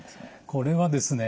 これはですね